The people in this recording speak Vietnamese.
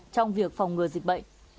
trong việc phòng ngừa dịch bệnh